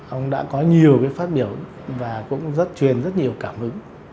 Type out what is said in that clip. ông đã có nhiều phát biểu và cũng truyền rất nhiều cảm hứng